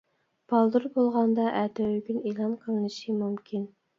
بالدۇر بولغاندا ئەتە-ئۆگۈن ئېلان قىلىنىشى مۇمكىن.